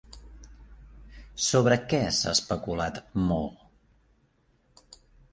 Sobre què s'ha especulat molt?